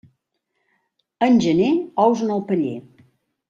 En gener, ous en el paller.